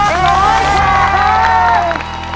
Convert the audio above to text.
สร้อยแชง